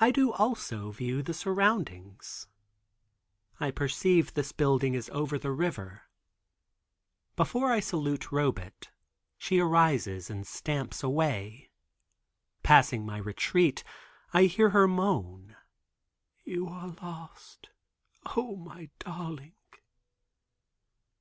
I do also view the surroundings. I perceive this building is over the river. Before I salute Robet, she arises and stamps away. Passing my retreat I hear her moan: "You are lost, O my darling."